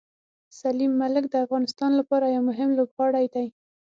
سلیم ملک د افغانستان لپاره یو مهم لوبغاړی دی.